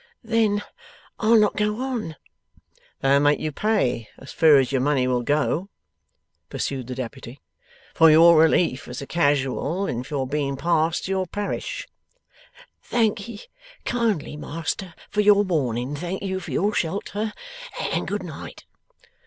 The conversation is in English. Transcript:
'Then I'll not go on.' 'They'll make you pay, as fur as your money will go,' pursued the Deputy, 'for your relief as a Casual and for your being passed to your Parish.' 'Thank ye kindly, Master, for your warning, thank ye for your shelter, and good night.